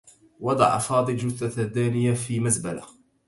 وضع فاضل جثة دانية في مزبلة.